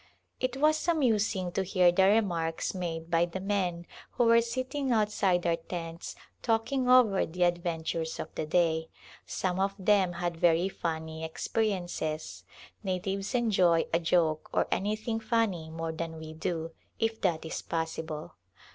It was amusing to hear the remarks made by the men who were sitting outside our tents talking over the adventures of the day. Some of them had very funny experiences. Natives enjoy a joke or anything funny more than we do, if that is possible.